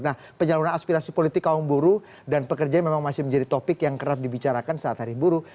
nah penyaluran aspirasi politik kaum buruh dan pekerja memang masih menjadi topik yang kerap dibicarakan saat hari buruh